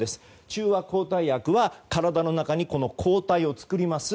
中和抗体薬は体の中に抗体を作ります。